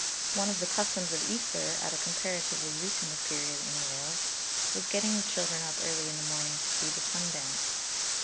One of the customs of Easter, at a comparatively recent period in Wales, was getting the children up early in the morning to see the sun dance.